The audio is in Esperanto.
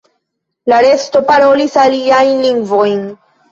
La resto parolis aliajn lingvojn.